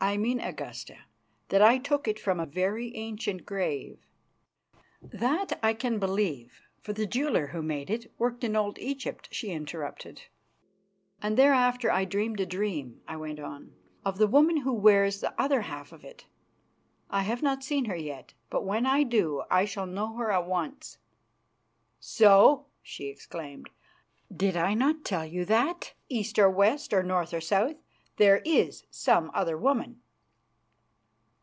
"I mean, Augusta, that I took it from a very ancient grave " "That I can believe, for the jeweller who made it worked in old Egypt," she interrupted. " and thereafter I dreamed a dream," I went on, "of the woman who wears the other half of it. I have not seen her yet, but when I do I shall know her at once." "So!" she exclaimed, "did I not tell you that, east or west or north or south, there is some other woman?"